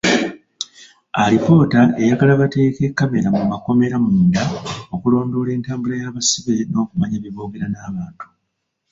Alipoota eyagala bateeke kkamera mu makomera munda okulondoola entambula y'abasibe n'okumanya bye boogera n'abantu.